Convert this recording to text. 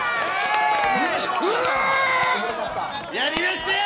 やりましたよ！